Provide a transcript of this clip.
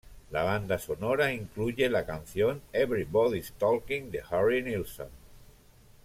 La banda sonora incluye la canción "Everybody's Talkin'" de Harry Nilsson.